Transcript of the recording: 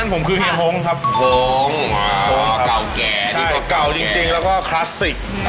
ผมคือครับอ๋อเก่าแก่ใช่เก่าจริงจริงแล้วก็คลาสสิค